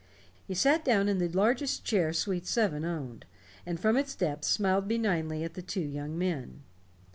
He sat down in the largest chair suite seven owned, and from its depths smiled benignly at the two young men.